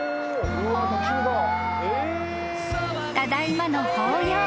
［ただいまの抱擁］